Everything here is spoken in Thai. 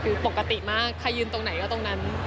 คือปกติมากใครยืนตรงไหนก็ตรงนั้น